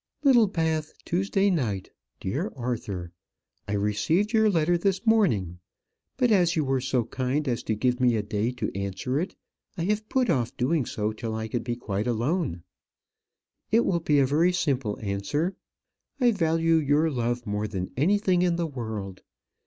Littlebath, Tuesday night. Dear Arthur, I received your letter this morning; but as you were so kind as to give me a day to answer it, I have put off doing so till I could be quite alone. It will be a very simple answer. I value your love more than anything in the world.